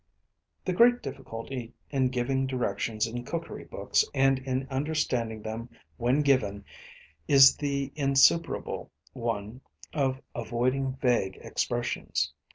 The great difficulty in giving directions in cookery books, and in understanding them when given, is the insuperable one of avoiding vague expressions.